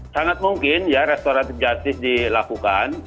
sangat mungkin ya restoratif justice dilakukan